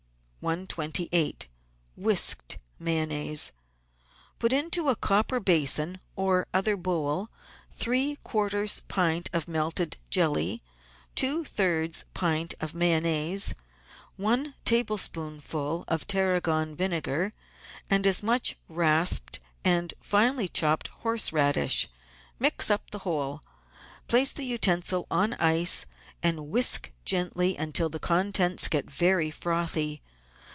138— WHISKED MAYONNAISE Put into a copper basin or other bowl three quarters pint of melted jelly, two thirds pint of Mayonnaise, one tablespoonful of tarragon vinegar, and as much rasped and finely chopped horse radish. Mix up the whole, place the utensil on ice, and whisk gently until the contents get very frothy.